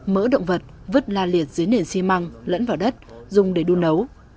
mỡ động vật vứt la liệt dưới nền xi măng lẫn vào đất dùng để đun nấu